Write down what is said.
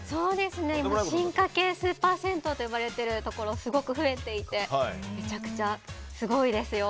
今、進化系スーパー銭湯と呼ばれているところがすごく増えていてめちゃくちゃすごいですよ。